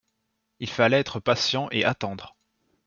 Il fallait être patient et attendre